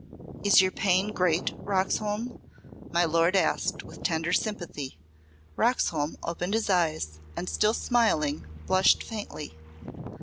"Is your pain great, Roxholm?" my Lord asked with tender sympathy. Roxholm opened his eyes and, still smiling, blushed faintly.